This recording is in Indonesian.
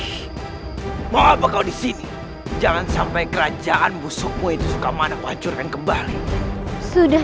hai mau apa kau disini jangan sampai kerajaan busukmu itu suka mana pancurkan kembali sudah